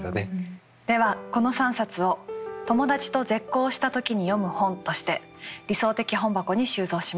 ではこの３冊を「友達と絶交した時に読む本」として理想的本箱に収蔵します。